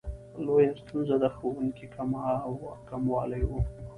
لویه ستونزه د ښوونکو کموالی و.